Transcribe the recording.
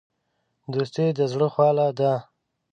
دوستي د زړه خواله ده.